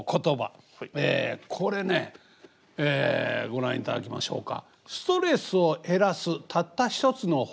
これねご覧いただきましょうか。